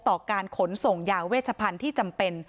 ต่อการขนส่งยาเวชพันธุ์ที่จำเป็น